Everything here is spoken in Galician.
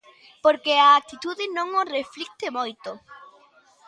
Porque a actitude non o reflicte moito.